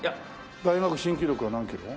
大学新記録は何キロ？